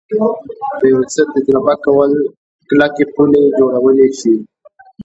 د یو څه تجربه کول کلکې پولې جوړولی شي